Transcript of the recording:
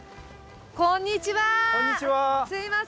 こんにちはー！